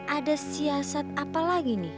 ada siasat apa lagi nih